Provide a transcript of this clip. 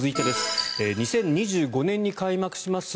では、続いて２０２５年に開幕します